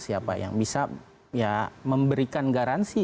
siapa yang bisa ya memberikan garansi